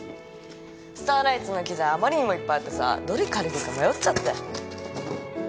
スターライツの機材あまりにもいっぱいあってさどれ借りるか迷っちゃって。